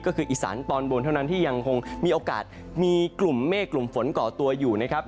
ก็คืออีสานตอนบนเท่านั้นที่ยังคงมีโอกาสมีกลุ่มเมฆกลุ่มฝนก่อตัวอยู่นะครับ